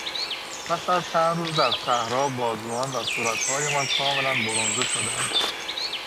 پس از چند روزی در صحرا بازوان و صورتهایمان کاملا برنزه شدند.